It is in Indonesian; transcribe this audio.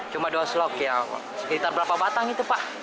cuma dua slok ya sekitar berapa batang itu pak